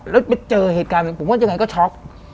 แล้วไปเจอเหตุการณ์ผมว่าจะยังไงก็ช็อค